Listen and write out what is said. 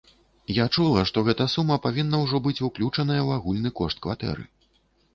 Я чула, што гэта сума павінна ўжо быць уключаная ў агульны кошт кватэры.